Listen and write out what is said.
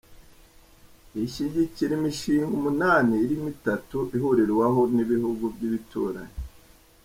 Ishyigikira imishinga umunani irimo itatu ihurirwaho n’ibihugu by’ibituranyi.